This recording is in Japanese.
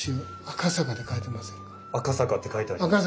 赤坂って書いてあります。